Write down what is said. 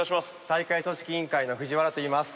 大会組織委員会の藤原といいます。